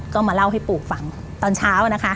ก็มาเล่าให้ปู่ฟังตอนเช้านะคะ